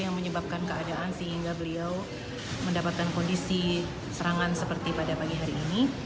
yang menyebabkan keadaan sehingga beliau mendapatkan kondisi serangan seperti pada pagi hari ini